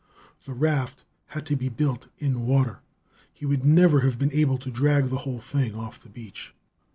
The raft had to be built in water; he would never have been able to drag the whole thing off the beach.